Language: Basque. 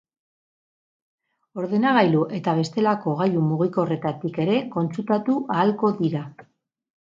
Ordenagailu eta bestelako gailu mugikorretatik ere kontsultatu ahalko dira.